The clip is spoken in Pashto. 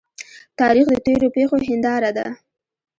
تاریخ د تیرو پیښو هنداره ده.